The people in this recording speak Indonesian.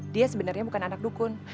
dia sebenarnya bukan anak dukun